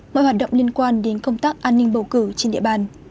mọi hoạt động liên quan đến công tác an ninh bầu cử trên địa bàn